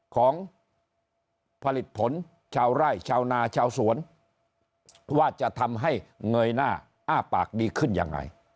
ของผลิตผลชาวไร่ชาวนาชาวสวนว่าจะทำให้เงยหน้าอ้าปากดีขึ้นยังไง